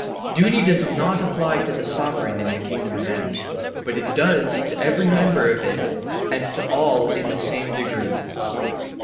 Duty does not apply to the sovereign in the kingdom of ends, but it does to every member of it and to all in the same degree.